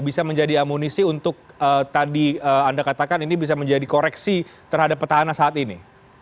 bisa menjadi amunisi untuk tadi anda katakan ini bisa menjadi koreksi terhadap petahana saat ini